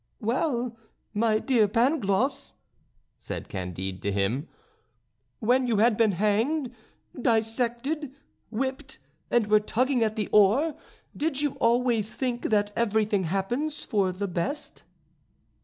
"Well, my dear Pangloss," said Candide to him, "when you had been hanged, dissected, whipped, and were tugging at the oar, did you always think that everything happens for the best?"